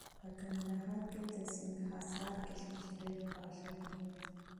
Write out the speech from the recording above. په کندهار کي د سنګحصار کشمش ډېر خواږه دي